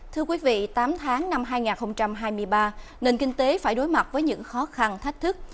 thưa quý vị tám tháng năm hai nghìn hai mươi ba nền kinh tế phải đối mặt với những khó khăn thách thức